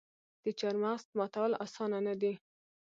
د چهارمغز ماتول اسانه نه دي.